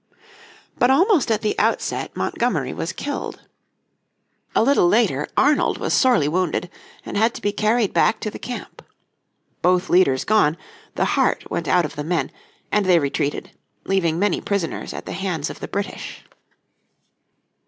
But almost at the outset Montgomery was killed. A little later Arnold was sorely wounded, and had to be carried back to the camp. Both leaders gone, the heart went out of the men, and they retreated, leaving many prisoners at the hands of the British.